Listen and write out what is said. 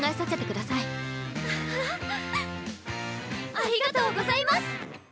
ありがとうございます！